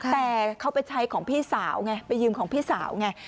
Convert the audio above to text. แต่เขาไปใช้ของพี่สาวไงไปยืมของพี่สาวไง